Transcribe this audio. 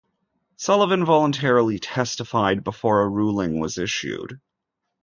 Sullivan voluntarily testified before a ruling was issued.